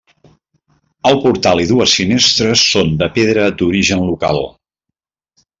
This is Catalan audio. El portal i dues finestres són de pedra d'origen local.